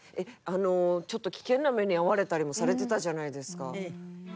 ちょっと危険な目に遭われたりもされてたじゃないですか。